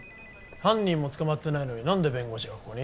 犯人も捕まってないのに何で弁護士がここに？